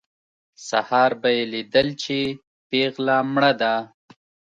سهار به یې لیدل چې پېغله مړه ده.